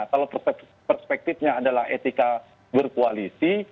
kalau perspektifnya adalah etika berkoalisi